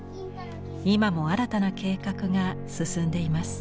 今も新たな計画が進んでいます。